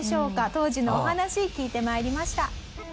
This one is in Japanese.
当時のお話聞いて参りました。